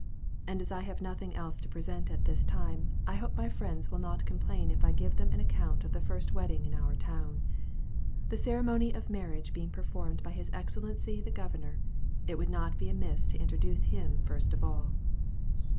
As I have nothing else to present at this time, I hope my friends will not complain if I give them an account of the first wedding in our town. The ceremony of marriage being performed by his Excellency the Governor, it would not be amiss to introduce him first of all.